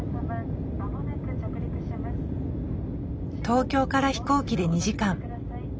東京から飛行機で２時間。